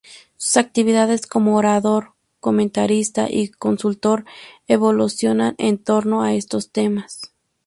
Sus actividades como orador, comentarista y consultor evolucionan en torno a estos temas.